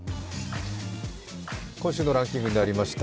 今週のランキングになりました。